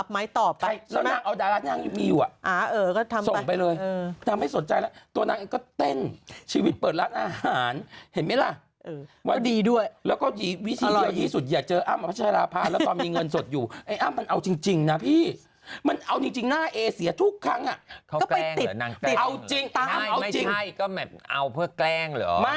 ไม่บ้าหรอกนางบันเทิงน่ะชอบเต้น